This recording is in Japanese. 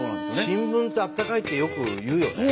新聞ってあったかいってよく言うよね。